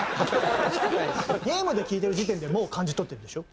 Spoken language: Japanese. ゲームで聴いてる時点でもう感じ取ってるでしょ？